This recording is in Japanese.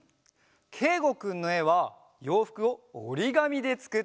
けいごくんのえはようふくをおりがみでつくっているんだよ。